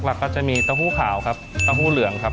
หลักก็จะมีเต้าหู้ขาวครับเต้าหู้เหลืองครับ